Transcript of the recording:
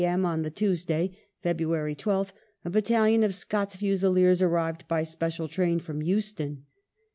m. on the Tuesday (Feb. 12th) a battalion of Scots Fusiliers arrived by special train from Euston.